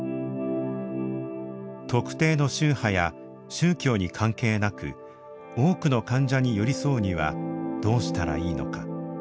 特定の宗派や宗教に関係なく多くの患者に寄り添うにはどうしたらいいのか。